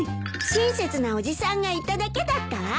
親切なおじさんがいただけだったわ。